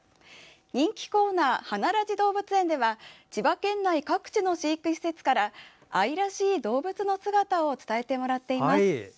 人気コーナー、花ラジ動物園では千葉県内各地の飼育施設から愛らしい動物の姿を伝えてもらっています。